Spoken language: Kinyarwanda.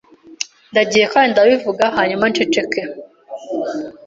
Ndagiye kandi Ndabivuga hanyuma nsheceke.